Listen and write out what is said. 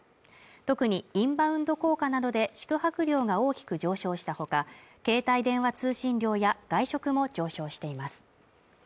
特にインバウンド効果などで宿泊料が大きく上昇したほか携帯電話通信料や外食も上昇しています